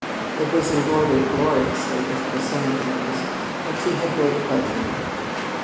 It was embroidered gloriously with chrysanthemums, and she had great pleasure in it.